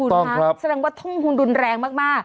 ถูกต้องครับแสดงว่าท่งหุ่นดุนแรงมาก